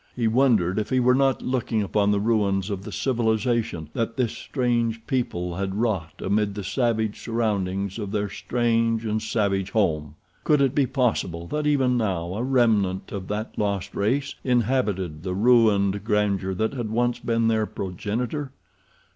He wondered if he were not looking upon the ruins of the civilization that this strange people had wrought amid the savage surroundings of their strange and savage home. Could it be possible that even now a remnant of that lost race inhabited the ruined grandeur that had once been their progenitor?